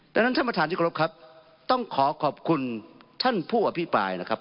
ดังนั้นท่านประธานที่กรบครับต้องขอขอบคุณท่านผู้อภิปรายนะครับ